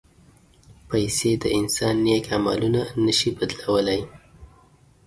پېسې د انسان نیک عملونه نه شي بدلولی.